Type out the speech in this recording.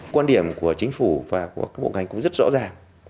quan điểm của chính phủ và của các bộ ngành cũng rất rõ ràng